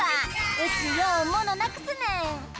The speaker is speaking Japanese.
うちようものなくすねん。